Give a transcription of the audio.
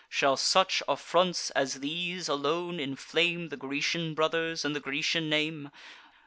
Shall such affronts as these alone inflame The Grecian brothers, and the Grecian name?